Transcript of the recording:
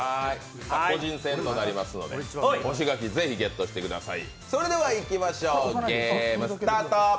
個人戦となりますので干し柿ぜひゲットしてください。